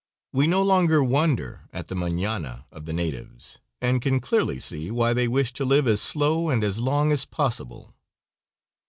We no longer wonder at the "mauana" of the natives, and can clearly see why they wish to live as slow and as long as possible.